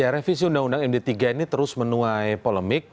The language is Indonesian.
revisi undang undang md tiga ini terus menuai polemik